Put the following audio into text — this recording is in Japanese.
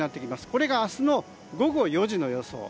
これが明日の午後４時の予想。